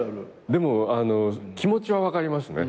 でも気持ちは分かりますね。